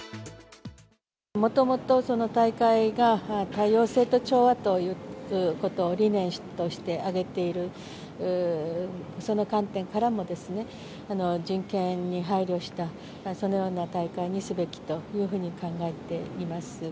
もともと大会が多様性と調和ということを理念として挙げている、その観点からも、人権に配慮した、そのような大会にすべきというふうに考えています。